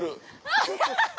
アハハハ！